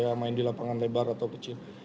ya main di lapangan lebar atau kecil